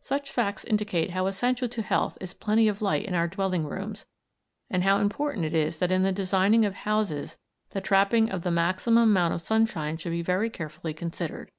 Such facts indicate how essential to health is plenty of light in our dwelling rooms, and how important it is that in the designing of houses the trapping of the maximum amount of sunshine should be very carefully considered.